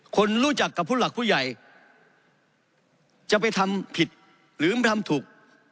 คนรู้จักกับผู้หลักผู้ใหญ่จะไปทำผิดหรือไม่ทำถูก